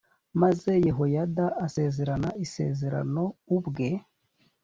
maze yehoyada asezerana isezerano ubwe